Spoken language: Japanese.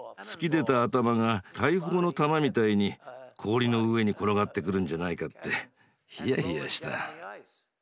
突き出た頭が大砲の弾みたいに氷の上に転がってくるんじゃないかってヒヤヒヤした。